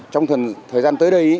trong thời gian tới đây